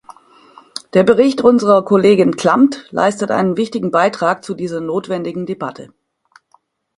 Der Bericht unserer Kollegin Klamt leistet einen wichtigen Beitrag zu dieser notwendigen Debatte.